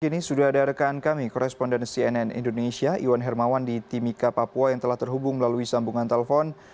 kini sudah ada rekan kami koresponden cnn indonesia iwan hermawan di timika papua yang telah terhubung melalui sambungan telepon